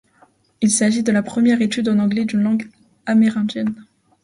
Il s'agit de la première étude en anglais d'une langue amérindienne.